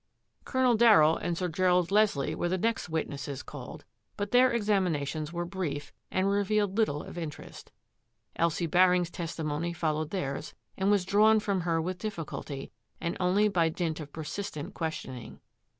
Colonel Darryll and Sir Gerald Leslie were the next witnesses called, but their examinations were brief and revealed little of interest. Elsie Bar ing's testimony followed theirs and was drawn from her with difficulty and only by dint of persist ent questioning.